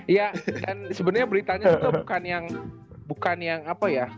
iya kan sebenernya beritanya tuh bukan yang bukan yang apa ya